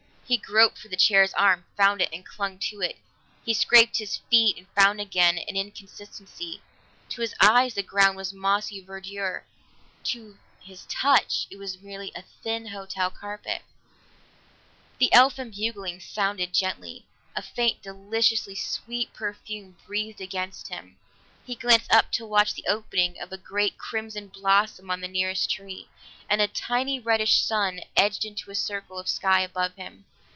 He groped for the chair's arm, found it, and clung to it; he scraped his feet and found again an inconsistency. To his eyes the ground was mossy verdure; to his touch it was merely a thin hotel carpet. The elfin buglings sounded gently. A faint, deliciously sweet perfume breathed against him; he glanced up to watch the opening of a great crimson blossom on the nearest tree, and a tiny reddish sun edged into the circle of sky above him.